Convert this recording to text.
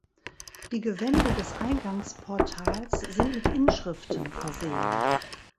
Die Gewände des Eingangsportals sind mit Inschriften versehen.